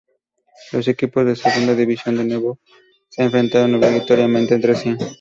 Los equipos de Segunda División, de nuevo, se enfrentaron obligatoriamente entre sí.